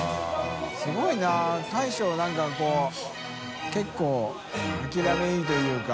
垢瓦い大将なんかこう觜諦めいいというか。